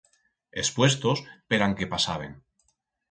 Es puestos per an que pasaben.